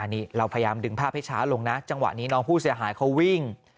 นี่เราพยายามดึงภาพให้ช้าลงนะจังหวะนี้น้องผู้เสียหายเขาวิ่ง